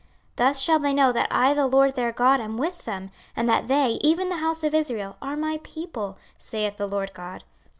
26:034:030 Thus shall they know that I the LORD their God am with them, and that they, even the house of Israel, are my people, saith the Lord GOD.